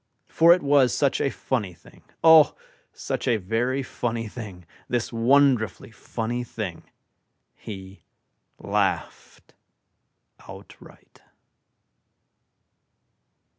For it was such a funny thing, O, such a very funny thing, This wonderfully funny thing, He Laughed Outright.